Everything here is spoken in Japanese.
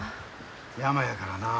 山やからなあ。